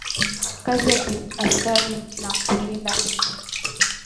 Kazi ya ki askari na ku linda inchi